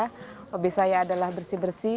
hobi saya adalah bersih bersih